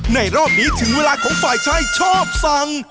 รอบนี้ถึงเวลาของฝ่ายชายชอบสั่ง